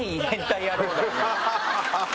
ハハハハ！